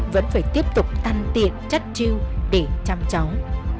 vẫn phải tiếp tục tăn tiện chất chiêu để chăm chóng